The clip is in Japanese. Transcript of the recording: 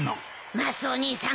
マスオ兄さん